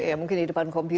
ya mungkin di depan komputer